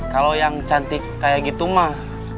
kalau yang cantik kayak gitu mah